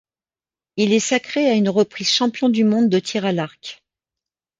Il est sacré à une reprise champion du monde de tir à l'arc.